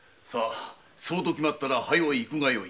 そうと決まったら早く行くがよい。